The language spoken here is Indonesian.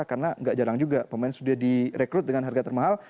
karena tidak jarang juga pemain sudah direkrut dengan harga termahal